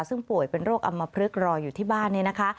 ซึ่งป่วยเป็นโรคอำมพลึกรออยู่ที่บ้านนี้นะคะ